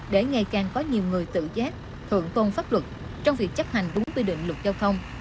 để ngày càng có nhiều người tự giác thượng tôn pháp luật trong việc chấp hành đúng quy định luật giao thông